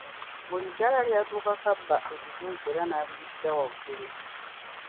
Buli ddaala lyatuukako abba ebibuuzo era nabiyitira waggulu.